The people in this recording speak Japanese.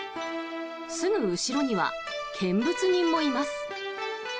すぐ後ろには見物人もいます。